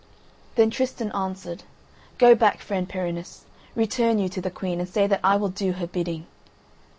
Then Tristan answered: "Go back, friend Perinis, return you to the Queen, and say that I will do her bidding."